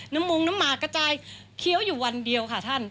มุงน้ำหมากกระจายเคี้ยวอยู่วันเดียวค่ะท่าน